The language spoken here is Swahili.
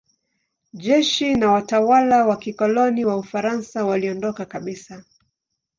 Jeshi na watawala wa kikoloni wa Ufaransa waliondoka kabisa.